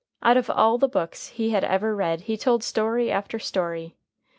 Out of all the books he had ever read he told story after story.